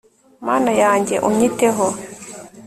mana yanjye, unyiteho